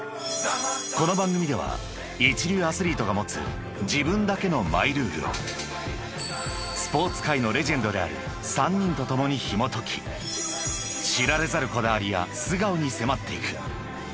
［この番組では一流アスリートが持つ自分だけのマイルールをスポーツ界のレジェンドである３人と共にひもとき知られざるこだわりや素顔に迫っていく］